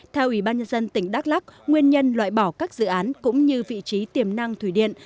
theo ubnd tỉnh đắk lắc nguyên nhân loại bỏ các dự án cũng như vị trí tiềm năng thủy điện